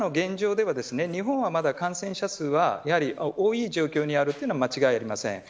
ただ、今の現状では日本はまだ感染者数はやはり多い状況にあるのは間違いありません。